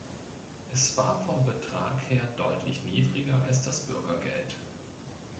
Es war vom Betrag her deutlich niedriger als das Bürgergeld.